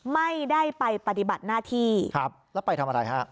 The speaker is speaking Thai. ไม่ได้ไปปฏิบัติหน้าที่ครับแล้วไปทำอะไรฮะ